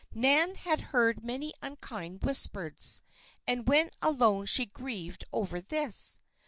Nan had heard many unkind whispers, and when alone she grieved over this.